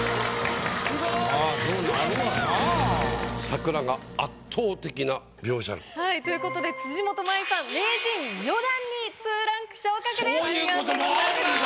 「桜の圧倒的な描写力！」。という事で辻元舞さん名人４段に２ランク昇格です。